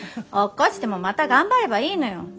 落っこちてもまた頑張ればいいのよ。